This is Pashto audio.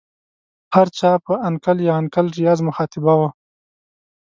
هر چا په انکل یا انکل ریاض مخاطبه وه.